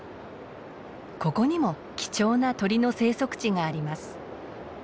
ここにも貴重な鳥の生息地があります。